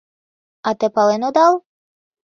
А те пален одал?